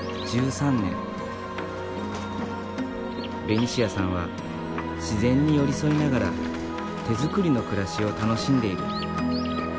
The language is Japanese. ベニシアさんは自然に寄り添いながら手づくりの暮らしを楽しんでいる。